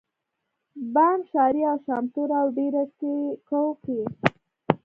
بانډ شاري او شامتوره او ډېره کو کښي